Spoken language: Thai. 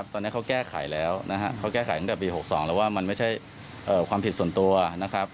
ตอนนี้เขาแก้ไขแล้วนะครับเขาแก้ไขตั้งแต่ปี๖๒แล้วว่ามันไม่ใช่ความผิดส่วนตัวนะครับ